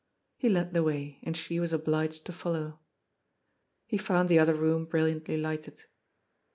He led the way, and she was obliged to follow. He found the other room brilliantly lighted.